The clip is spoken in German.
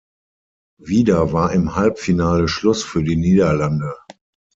Wieder war im Halbfinale Schluss für die Niederlande.